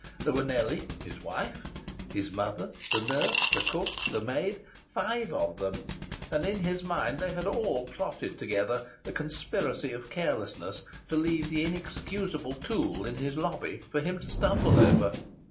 There were Nellie (his wife), his mother, the nurse, the cook, the maid five of them; and in his mind they had all plotted together a conspiracy of carelessness to leave the inexcusable tool in his lobby for him to stumble over.